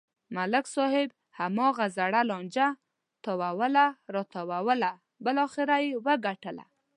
ملک صاحب هماغه زړه لانجه تاووله راتاووله بلاخره و یې گټله.